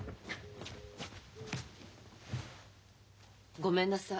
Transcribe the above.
ごめんなさい。